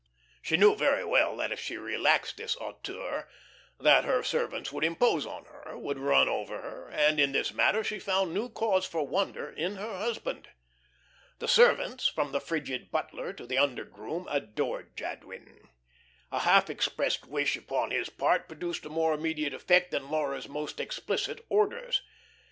She knew very well that if she relaxed this hauteur, that her servants would impose on her, would run over her, and in this matter she found new cause for wonder in her husband. The servants, from the frigid butler to the under groom, adored Jadwin. A half expressed wish upon his part produced a more immediate effect than Laura's most explicit orders.